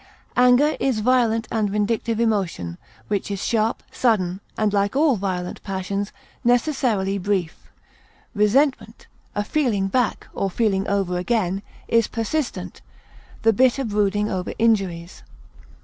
Anger is violent and vindictive emotion, which is sharp, sudden, and, like all violent passions, necessarily brief. Resentment (a feeling back or feeling over again) is persistent, the bitter brooding over injuries.